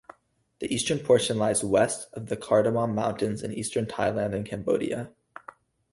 The eastern portion lies west of the Cardamom Mountains in eastern Thailand and Cambodia.